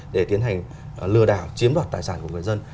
để tiến hành lừa đảo chiếm đoạt tài sản của người dân